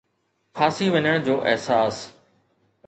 ڦاسي وڃڻ جو احساس